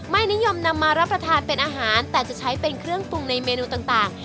นิยมนำมารับประทานเป็นอาหารแต่จะใช้เป็นเครื่องปรุงในเมนูต่าง